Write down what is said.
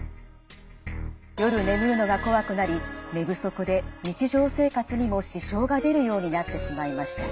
夜眠るのがこわくなり寝不足で日常生活にも支障が出るようになってしまいました。